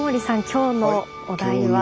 今日のお題は。